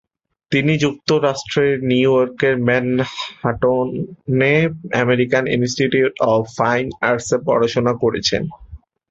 তিনি যুক্তরাষ্ট্রের নিউইয়র্কের ম্যানহাটনে আমেরিকান ইন্সটিটিউট অব ফাইন আর্টসে পড়াশোনা করেছেন।